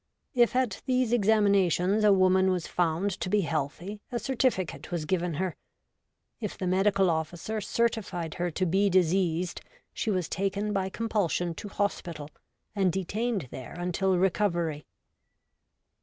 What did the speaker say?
If at these examinations a woman was found to be healthy, a certificate was given her ; if the medical officer certified her to be diseased, she was taken by compulsion to hospital, and detained there until recovery.